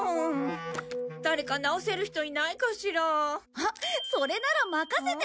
あっそれなら任せて！